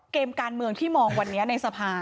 เกมการเมืองที่มองวันนี้ในสภา